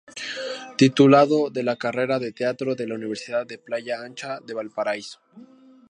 Titulado de la Carrera de Teatro de la Universidad de Playa Ancha de Valparaíso.